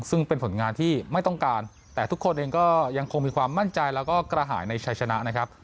ซึ่งเป็นผลงานที่ไม่ต้องการแต่ทุกคนเองก็ยังคงมีความมั่นใจแล้วก็กระหายในชัยชนะนะครับ